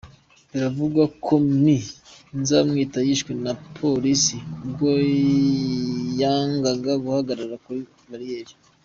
Biravugwa ko Me Nzamwita yishwe na Polisi ubwo yangaga guhagarara kuri bariyeri.